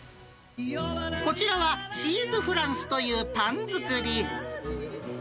こちらはチーズフランスというパン作り。